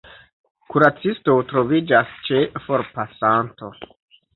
Kuracisto troviĝas ĉe forpasanto.